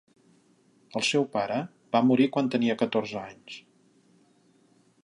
El seu pare va morir quan tenia catorze anys.